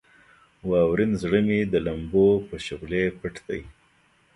واورین زړه مې د لمبو په شغلې پټ دی.